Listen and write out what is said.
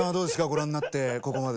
ご覧になってここまで。